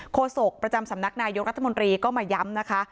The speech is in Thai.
โศกประจำสำนักนายกรัฐมนตรีก็มาย้ำนะคะ